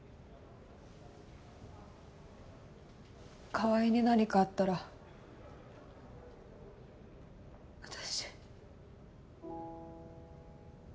川合に何かあったら私。